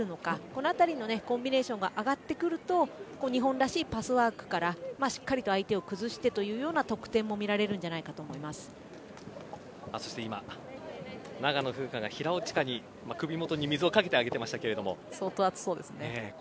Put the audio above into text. このあたりのコンビネーションが上がってくると日本らしいパスワークからしっかりと相手を崩してというような得点も見られるんじゃないかそして今長野風花が平尾知佳に首元に水を相当、暑そうですね。